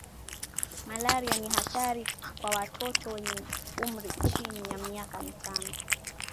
malaria ni hatari kwa watotot wenye umri chini ya miaka mitano